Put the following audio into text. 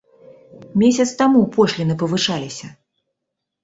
Месяц таму пошліны павышаліся.